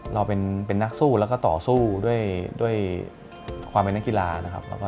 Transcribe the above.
เราเป็นนักสู้แล้วก็ต่อสู้ด้วยความเป็นนักกีฬานะครับ